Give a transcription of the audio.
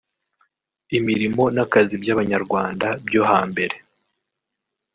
imirimo n’akazi by’abanyarwanda byo hambere